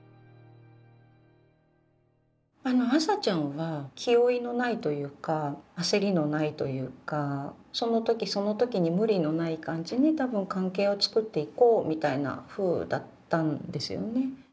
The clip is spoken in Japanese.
あの麻ちゃんは気負いのないというか焦りのないというかその時その時に無理のない感じに多分関係を作っていこうみたいなふうだったんですよね。